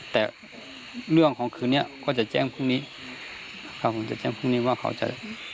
แต่เรื่องของคืนเนี้ยก็จะแจ้งพรุ่งนี้ครับผมจะแจ้งพรุ่งนี้ว่าเขาจะ